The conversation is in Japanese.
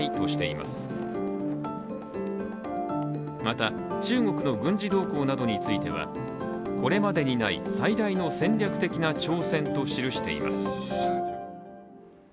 また、中国の軍事動向などについてはこれまでにない最大の戦略的な挑戦と記しています。